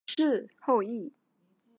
周文王子曹叔振铎后裔。